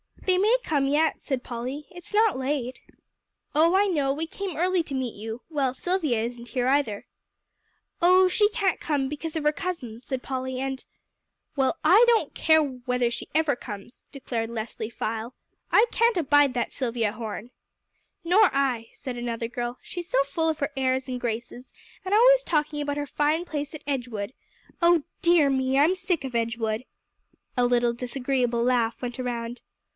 "They may come yet," said Polly; "it's not late." "Oh, I know; we came early to meet you; well, Silvia isn't here either." "Oh, she can't come, because of her cousin," said Polly, "and " "Well, I don't care whether she ever comes," declared Leslie Fyle. "I can't abide that Silvia Horne." "Nor I," said another girl, "she's so full of her airs and graces, and always talking about her fine place at Edgewood. Oh dear me! I'm sick of Edgewood!" A little disagreeable laugh went around.